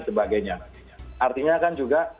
sebagainya artinya kan juga